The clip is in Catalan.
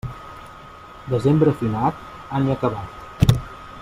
Desembre finat, any acabat.